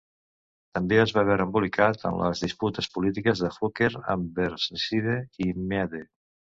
També es va veure embolicat en les disputes polítiques de Hooker amb Burnside i Meade.